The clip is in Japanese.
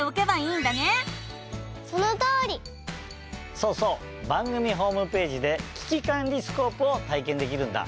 そうそう番組ホームページで「キキカンリスコープ」をたいけんできるんだ！